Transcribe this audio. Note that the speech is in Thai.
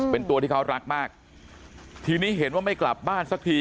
เป็นตัวที่เขารักมากทีนี้เห็นว่าไม่กลับบ้านสักที